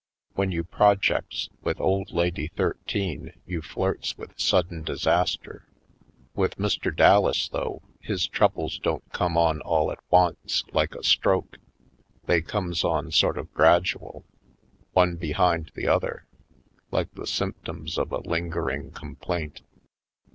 When you projects with old Lady Thir teen you flirts with sudden disaster. With Mr. Dallas, though, his troubles don't come on all at once, like a stroke; they comes on sort of gradual, one behind the other, like the symptoms of a lingering complaint.